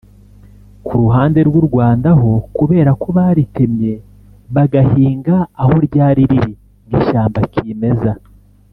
Ku ruhande rw’u Rwanda ho kubera ko baritemye bagahinga aho ryari riri nk’ishyamba kimeza